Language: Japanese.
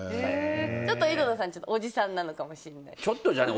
ちょっと井戸田さんはおじさんなのかもしれない。